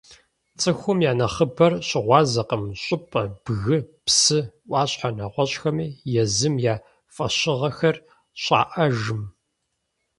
Цӏыхум я нэхъыбэр щыгъуазэкъым щӏыпӏэ, бгы, псы, ӏуащхьэ, нэгъуэщӏхэми езым я фӏэщыгъэхэр щӏаӏэжым.